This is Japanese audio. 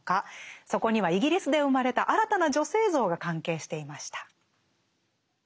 そこにはイギリスで生まれた新たな女性像が関係していました。